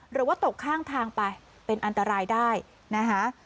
หรือว่าตกข้างทางไปเป็นอันตรายได้นะคะ